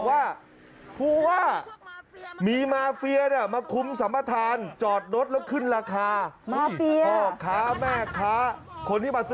อะไรครับครับท่านครับ